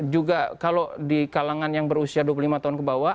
juga kalau di kalangan yang berusia dua puluh lima tahun ke bawah